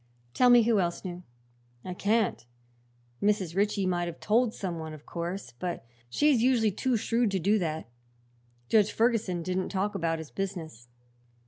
"Tell me who else knew." "I can't. Mrs. Ritchie might have told some one, of course; but she's usually too shrewd to do that. Judge Ferguson didn't talk about his business."